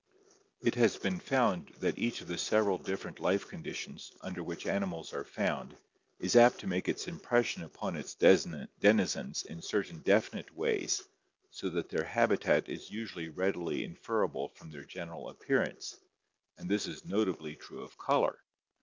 — It has been found that each of the several different life conditions under which animals are found is apt to make its impression upon its denizens in certain definite ways so that their habitat is usually readily inferable from their general appearance, and this is notably true of color.